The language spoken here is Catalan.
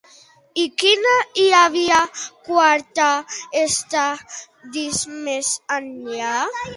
I quina hi havia quaranta estadis més enllà?